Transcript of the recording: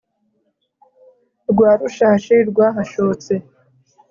Rwa rushashi rwahashotse,